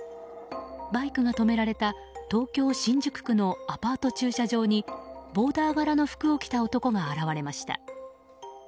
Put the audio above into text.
バイクが止められた東京・新宿区のアパート駐車場にボーダー柄の服を着た男が現れました。